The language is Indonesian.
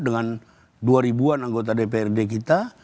dengan dua ribu an anggota dprd kita